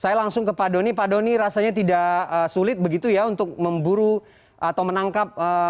jadi pak doni rasanya tidak sulit begitu ya untuk memburu atau menangkap